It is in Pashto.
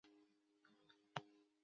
لاره لنډه ده.